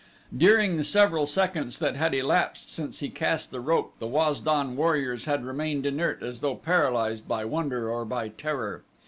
During the several seconds that had elapsed since he cast the rope the Waz don warriors had remained inert as though paralyzed by wonder or by terror.